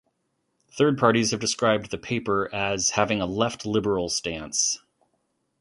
Third parties have described the paper as having a left-liberal stance.